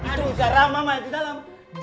aduh garam mama yang di dalam